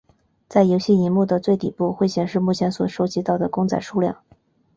在游戏萤幕的最底部会显示目前所收集到的公仔数量。